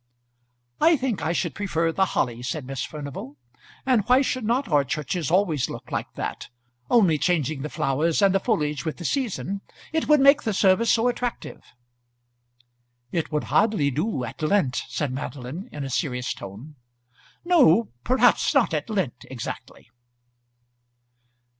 "I think I should prefer the holly," said Miss Furnival. "And why should not our churches always look like that, only changing the flowers and the foliage with the season? It would make the service so attractive." "It would hardly do at Lent," said Madeline, in a serious tone. "No, perhaps not at Lent exactly."